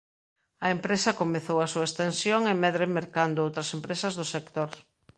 A empresa comezou a súa expansión e medre mercando outras empresas do sector.